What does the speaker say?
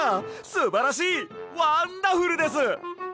すばらしいワンダフルです！